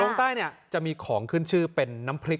ลงใต้จะมีของขึ้นชื่อเป็นน้ำพริก